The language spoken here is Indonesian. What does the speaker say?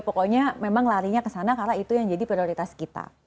pokoknya memang larinya kesana karena itu yang jadi prioritas kita